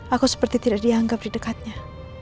aku seperti tidak dianggap di dekatnya